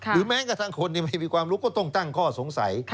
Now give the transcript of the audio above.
แม้กระทั่งคนที่ไม่มีความรู้ก็ต้องตั้งข้อสงสัย